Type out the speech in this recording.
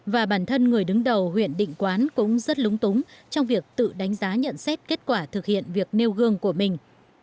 và bản thân người đứng đầu huyện định quán cũng rất lúng túng trong việc tự đánh giá nhận xét kết quả thực hiện việc nêu gương của mình